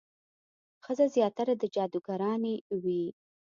ښځې زیاتره جادوګرانې وي.